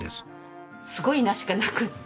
「すごいな」しかなくって。